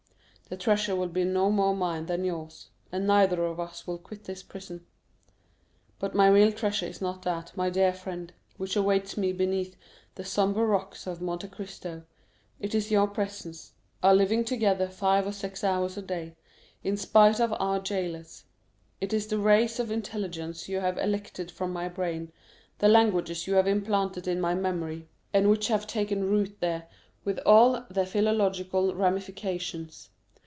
The treasure will be no more mine than yours, and neither of us will quit this prison. But my real treasure is not that, my dear friend, which awaits me beneath the sombre rocks of Monte Cristo, it is your presence, our living together five or six hours a day, in spite of our jailers; it is the rays of intelligence you have elicited from my brain, the languages you have implanted in my memory, and which have taken root there with all their philological ramifications.